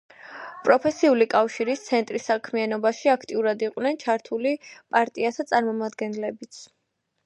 პროფესიული კავშირის ცენტრის საქმიანობაში აქტიურად იყვნენ ჩართული პარტიათა წარმომადგენლებიც.